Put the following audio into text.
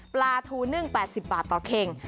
ปลาทูนึ่ง๘๐บาทต่อเข่ง